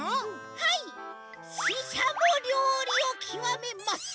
はいししゃもりょうりをきわめます！